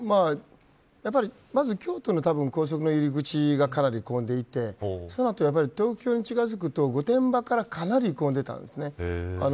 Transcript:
京都の高速の入り口がかなり混んでいてその後、東京に近づくと御殿場からかなり混んでいたんですね。